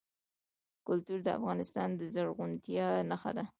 کلتور د افغانستان د زرغونتیا نښه ده.